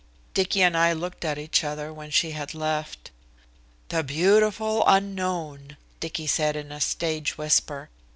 Dicky and I looked at each other when she had left us. "The beautiful unknown," Dicky said in a stage whisper.